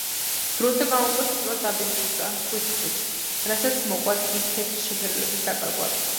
დროთა განმავლობაში ტბა დაბინძურდა ზღვის წყლით, რასაც მოყვა ტბის თეთრი შეფერილობის დაკარგვა.